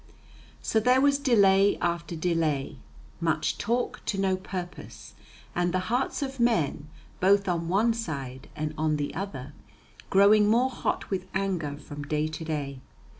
So there was delay after delay, much talk to no purpose, and the hearts of men, both on one side and on the other, growing more hot with anger from day to day.